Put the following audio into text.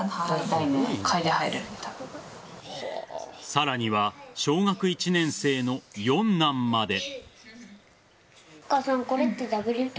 さらには小学１年生の四男まで。